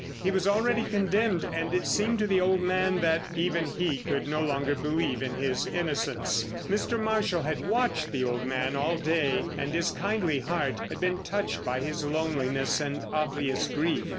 He was already condemned, and it seemed to the old man that even he could no longer believe in his innocence. Mr. Marshall had watched the old man all day, and his kindly heart had been touched by his loneliness and obvious grief.